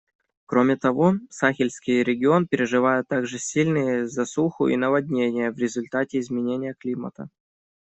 Кроме того, Сахельский регион переживает также сильные засуху и наводнения в результате изменения климата.